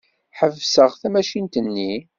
Ḥebseɣ tamacint-nni.